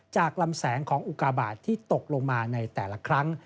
จากลำแสงของอุกาบาทที่ตกลงมาในแต่ละครั้ง